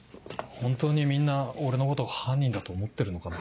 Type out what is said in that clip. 本当にみんな俺のこと犯人だと思ってるのかな。